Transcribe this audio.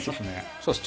そうですね。